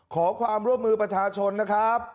ขอความร่วมมือประชาชนนะครับ